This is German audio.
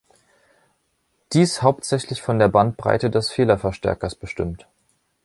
Dies hauptsächlich von der Bandbreite des Fehlerverstärkers bestimmt.